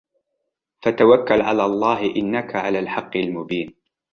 فتوكل على الله إنك على الحق المبين